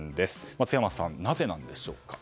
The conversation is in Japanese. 松山さん、なぜなんでしょうか？